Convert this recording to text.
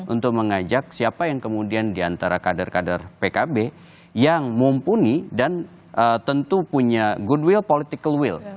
untuk mengajak siapa yang kemudian diantara kader kader pkb yang mumpuni dan tentu punya goodwill political will